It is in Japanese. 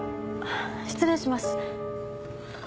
失礼します。